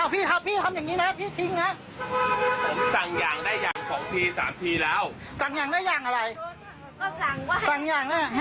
พี่ครับพี่ทำอย่างนี้นะพี่ทิ้งนะ